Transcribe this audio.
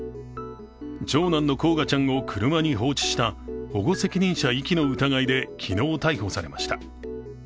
長男の煌翔ちゃんを車に放置した保護責任者遺棄の疑いで昨日逮捕されました。